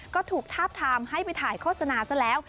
ก็ถูกทาบทามให้ไปถ่ายโฆษณาซะแล้ว